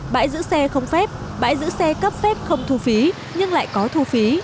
bãi giữ xe không phép bãi giữ xe cấp phép không thu phí nhưng lại có thu phí